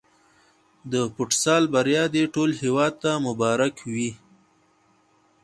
د فوتسال بریا دې ټول هېواد ته مبارک وي.